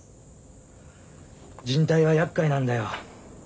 じん帯はやっかいなんだよ。